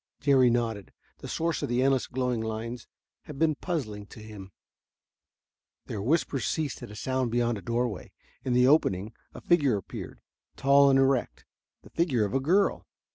Jerry nodded; the source of the endless glowing lines had been puzzling to him. Their whispers ceased at a sound beyond a doorway. In the opening a figure appeared, tall and erect, the figure of a girl.